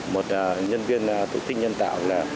một nhân viên tổ chức tinh nhân tạo